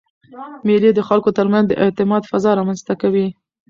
مېلې د خلکو ترمنځ د اعتماد فضا رامنځ ته کوي.